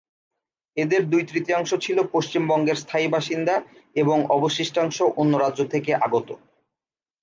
এদের দুই-তৃতীয়াংশ ছিল পশ্চিমবঙ্গের স্থায়ী বাসিন্দা এবং অবশিষ্টাংশ অন্য রাজ্য থেকে আগত।